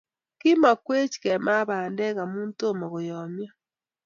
Kimakwech kee maa bandek amu tomo koyomyo